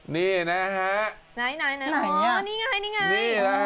นี่ไง